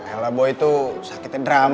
ya lah boy tuh sakitnya di rumah aja sih ya kan